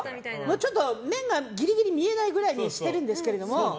ちょっと麺がギリギリ見えないぐらいにしてるんですけど。